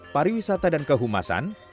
pariwisata dan kehumasan